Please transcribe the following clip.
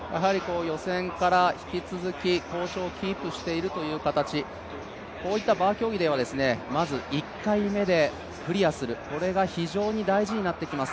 予選から引き続き好調をキープしているという形こういったバー競技では、まず１回目でクリアする、これが非常に大事になってきます。